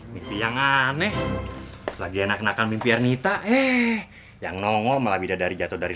mimpi yang aneh lagi enakan mimpi ernita eh yang nongol malah bidadari jatuh dari